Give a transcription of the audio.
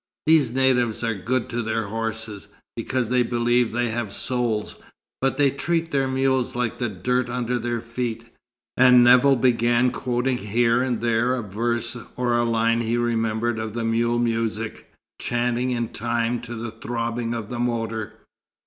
These natives are good to their horses, because they believe they have souls, but they treat their mules like the dirt under their feet." And Nevill began quoting here and there a verse or a line he remembered of the "mule music," chanting in time to the throbbing of the motor.